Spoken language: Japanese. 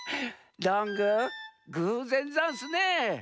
どんぐーぐうぜんざんすね。